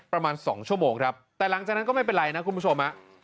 ประมาณสองชั่วโมงครับแต่หลังจากนั้นก็ไม่เป็นไรนะคุณผู้ชมฮะ